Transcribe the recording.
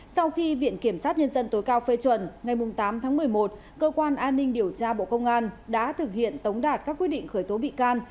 sau khi viện kiểm sát nhân dân tối cao phê chuẩn ngày tám tháng một mươi một cơ quan an ninh điều tra bộ công an đã thực hiện tống đạt các quyết định khởi tố bị can